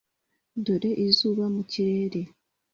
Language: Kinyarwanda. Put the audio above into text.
dore izuba mu kirere!